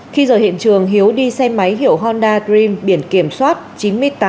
khi rời hiện trường hiếu đi xe máy hiểu honda dream biển kiểm soát chín mươi tám h năm mươi hai nghìn tám trăm sáu mươi tám